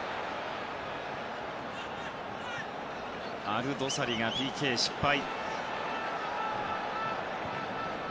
アルドサリがＰＫ失敗。